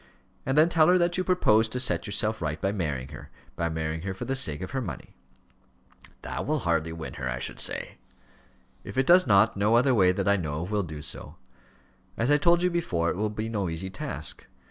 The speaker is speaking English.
And then tell her that you propose to set yourself right by marrying her by marrying her for the sake of her money." "That will hardly win her, I should say." "If it does not, no other way, that I know of, will do so. As I told you before, it will be no easy task.